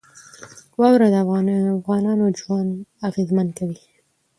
واوره د افغانانو ژوند اغېزمن کوي.